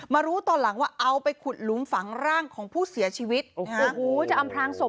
รู้ตอนหลังว่าเอาไปขุดหลุมฝังร่างของผู้เสียชีวิตโอ้โหจะอำพลางศพ